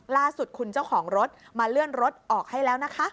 ล่าสุดคุณเจ้าของรถมาเลื่อนรถออกให้แล้วนะคะ